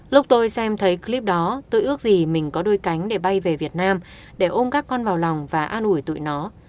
lúc tôi xem thấy clip đó tôi ước gì mình có đôi cánh để bay về việt nam để ôm các con vào lòng và an ủi tụi nó